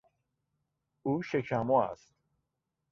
او شکمو است.